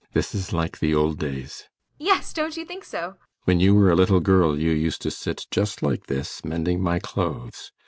] This is like the old days. ASTA. Yes, don't you think so? ALLMERS. When you were a little girl you used to sit just like this, mending my clothes.